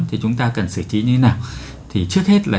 thì chúng ta cần xử trí như thế nào thì trước hết là